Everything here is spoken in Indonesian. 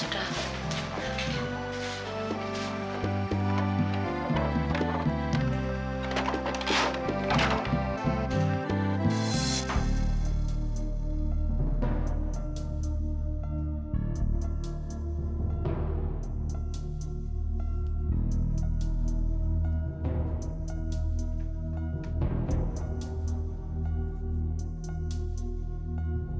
tidak ada masalah